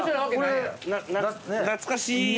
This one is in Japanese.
懐かしい。